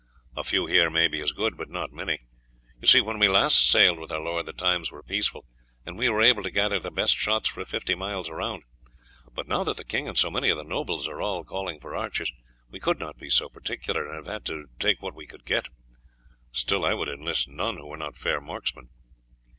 A few here may be as good, but not many. You see when we last sailed with our lord the times were peaceful, and we were able to gather the best shots for fifty miles round, but now that the king and so many of the nobles are all calling for archers we could not be so particular, and have had to take what we could get; still, I would enlist none who were not fair marksmen."